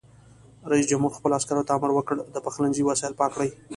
رئیس جمهور خپلو عسکرو ته امر وکړ؛ د پخلنځي وسایل پاک کړئ!